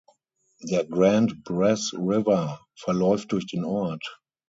Der Grand Bras River verläuft durch den Ort.